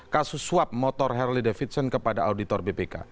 kasus suap motor harley davidson kepada auditor bpk